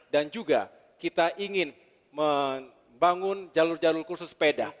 dan juga kita ingin membangun jalur jalur kursus sepeda